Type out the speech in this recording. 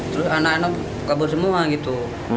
terus anak anak kabur semua gitu